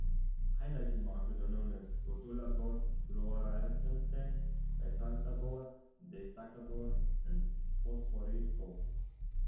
Highlighting markers are known as "rotulador fluorescente", "resaltador", "destacador", and "fosforito".